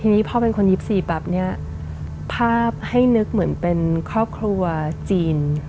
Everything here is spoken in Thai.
ทีนี้พ่อเป็นคน๒๔ปั๊บเนี่ยภาพให้นึกเหมือนเป็นครอบครัวจีน